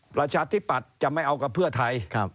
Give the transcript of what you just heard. ประชาธิปัตย์จะไม่เอากับเพื่อไทย